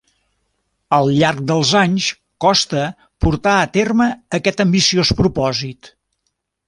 Al llarg dels anys, Costa portà a terme aquest ambiciós propòsit.